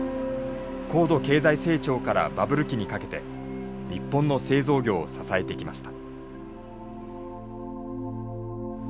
高度経済成長からバブル期にかけて日本の製造業を支えてきました。